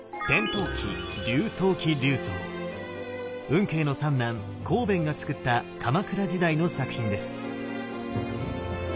運慶の三男康弁がつくった鎌倉時代の作品です。